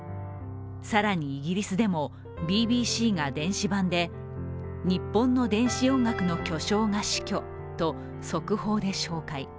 更にイギリスでもＢＢＣが電子版で日本の電子音楽の巨匠が死去と速報で紹介。